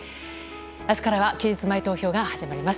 明日からは期日前投票が始まります。